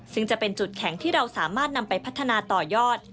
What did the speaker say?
ซึ่งจะเป็นจุดแข็งที่เราสามารถนำไปพัฒนาต่อยอด